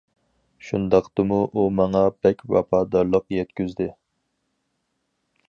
شۇنداقتىمۇ ئۇ ماڭا بەك ۋاپادارلىق يەتكۈزدى.